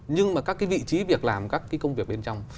nhưng mà các cái vị trí việc làm các cái công việc bên trong